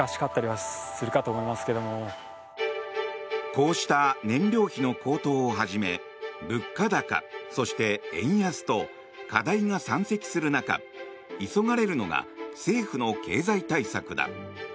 こうした燃料費の高騰をはじめ物価高、そして円安と課題が山積する中急がれるのが政府の経済対策だ。